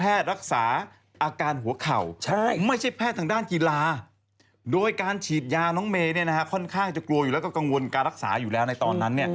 รักษาอาการหัวเข่าไม่ใช่แพทย์ทางด้านกีฬาโดยการฉีดยาน้องเมย์ค่อนข้างจะกลัวอยู่แล้วก็กังวลการรักษาอยู่แล้วในตอนนั้น